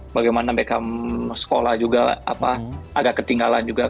bagaimana beckham sekolah juga agak ketinggalan juga